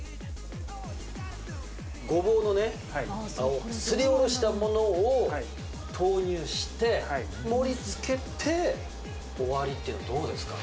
ごぼうのすりおろしたものを投入して、盛り付けて終わりっていうのどうですか？